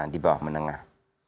di bawah menengah